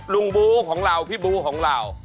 บูของเราพี่บู๊ของเรา